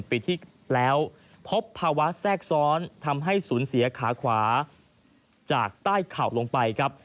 ปีที่แล้วพบภาวะแทรกซ้อนทำให้สูญเสียขาขวาจากใต้เข่าลงไปครับ